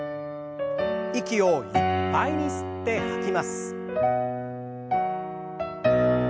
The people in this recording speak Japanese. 息をいっぱいに吸って吐きます。